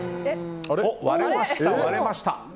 割れました。